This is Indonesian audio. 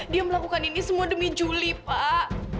dia melakukan ini semua demi juli pak